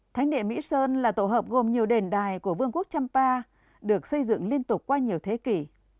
thánh địa mỹ sơn là tổ hợp gồm nhiều đền đài của vương quốc champa được xây dựng liên tục qua nhiều thế kỷ